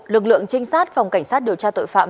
lực lượng trinh sát phòng cảnh sát điều tra tội phạm